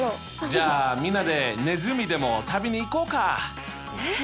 じゃあみんなでネズミでも食べに行こうか？